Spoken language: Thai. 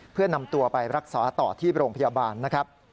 เพื่อนำตัวไปรักษาต่อที่โรงพยาบาลนะครับ